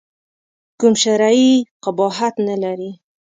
کوم شرعي قباحت نه لري.